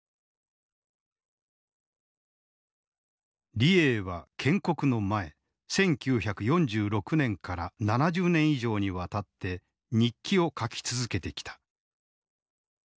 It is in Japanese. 李鋭は建国の前１９４６年から７０年以上にわたって日記を書き続けてきた。